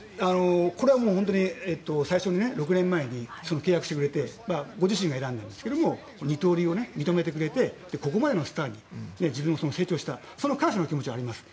これは本当に最初に６年前に契約してくれてご自身が選んだんですけども二刀流を認めてくれてここまで来て自分が成長したその感謝の気持ちはあります。